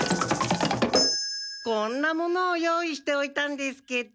こんなものを用意しておいたんですけど。